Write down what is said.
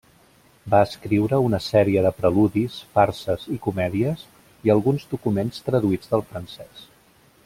Va escriure una sèrie de preludis, farses i comèdies i alguns documents traduïts del francès.